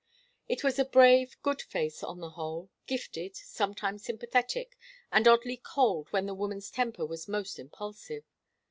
It was a brave, good face, on the whole, gifted, sometimes sympathetic, and oddly cold when the woman's temper was most impulsive.